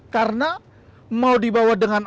karena mau dibawa dengan